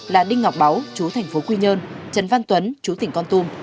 là đinh ngọc báu chú thành phố quy nhơn trần văn tuấn chú tỉnh con tum